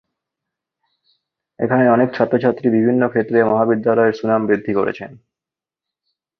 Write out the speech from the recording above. এখানের অনেক ছাত্র ছাত্রী বিভিন্ন ক্ষেত্রে মহাবিদ্যালয়ের সুনাম বৃদ্ধি করেছেন।